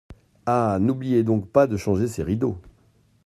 Ah ! n’oubliez donc pas de changer ces rideaux.